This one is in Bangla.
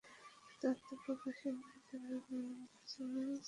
শুধু আত্মপ্রকাশই নয়, তারা আগামী নির্বাচনে সিনেটে একটি আসন লাভেরও স্বপ্ন দেখছে।